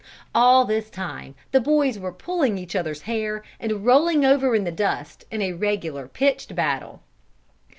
All this time the boys were pulling each other's hair, and rolling over in the dust, in a regular pitched battle.